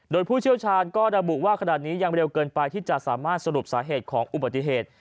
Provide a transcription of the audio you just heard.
โดยผู้เชี่ยวชาญก็ระบุว่าขนาดนี้ยังเร็วเกินไปที่จะสามารถสรุปสาเหตุของอุบัติเหตุ